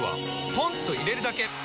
ポンと入れるだけ！